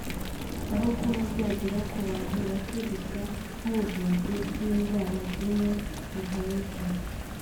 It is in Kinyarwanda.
aho kuba byagera ku bantu bake gusa nk'ubuvuzi bw'indwara zimwe buhenze.